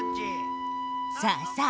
さあさあ